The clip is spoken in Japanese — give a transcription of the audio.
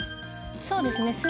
そうですね。